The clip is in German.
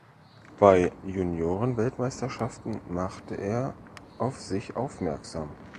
Bei Junioren-Weltmeisterschaften machte er auf sich aufmerksam.